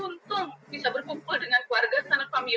untung bisa berkumpul dengan keluarga sana family